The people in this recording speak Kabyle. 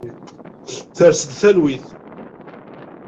Ters-d talwit.